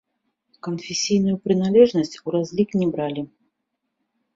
Канфесійную прыналежнасць у разлік не бралі.